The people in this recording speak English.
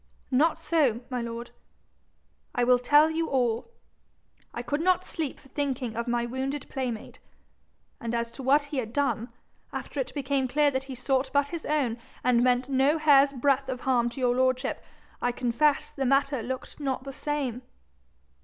'Not so, my lord. I will tell you all. I could not sleep for thinking of my wounded playmate. And as to what he had done, after it became clear that he sought but his own, and meant no hair's breadth of harm to your lordship, I confess the matter looked not the same.'